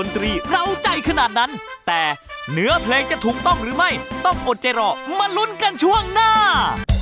ถูกต้องหรือไม่ต้องอดใจรอมาลุ้นกันช่วงหน้า